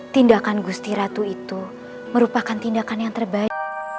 tindakan gusti ratu itu merupakan tindakan yang terbaik